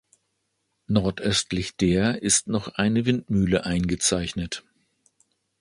Nordöstlich der ist noch eine Windmühle eingezeichnet.